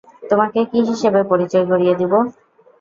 তোমাকে কী হিসেবে পরিচয় করিয়ে দিবো?